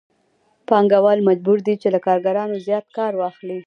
پانګوال مجبور دی چې له کارګرانو زیات کار واخلي